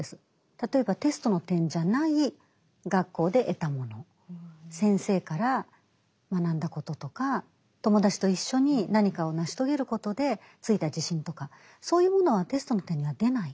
例えばテストの点じゃない学校で得たもの先生から学んだこととか友達と一緒に何かを成し遂げることでついた自信とかそういうものはテストの点には出ない。